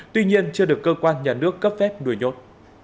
tuy nhiên chưa được cơ quan nhà nước cấp phép nuôi nhốt